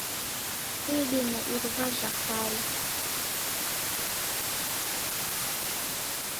Idime iruwa jhakala.